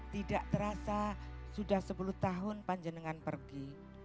tidak terasa sudah sepuluh tahun panjenengan pergi